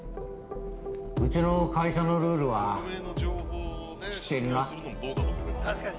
うちの会社のルールは知っているな。